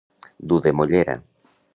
Dur de mollera.